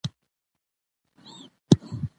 کورنۍ د ګډو خواړو له لارې خپل تړاو پیاوړی کوي